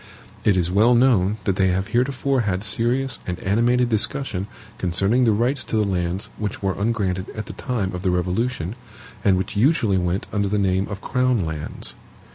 It is well known that they have heretofore had serious and animated discussion concerning the rights to the lands which were ungranted at the time of the Revolution, and which usually went under the name of crown lands.